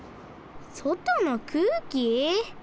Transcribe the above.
そとのくうき？